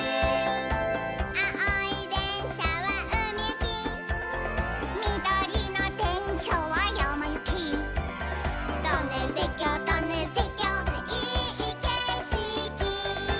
「あおいでんしゃはうみゆき」「みどりのでんしゃはやまゆき」「トンネルてっきょうトンネルてっきょういいけしき」